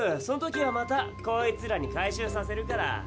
その時はまたこいつらに回収させるから。